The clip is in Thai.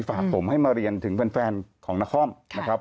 ฝากผมให้มาเรียนถึงแฟนของนครนะครับ